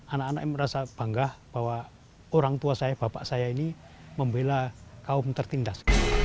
anak anak merasa bangga bahwa orang tua saya bapak saya ini membela kaum tertindas